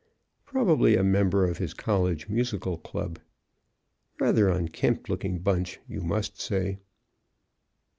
Probably a member of his college musical club. Rather unkempt looking bunch, you must say.